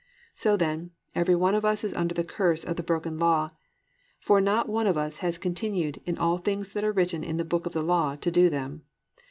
"+ So then, every one of us is under the curse of the broken law, for not one of us has continued +"in all things that are written in the book of the law, to do them."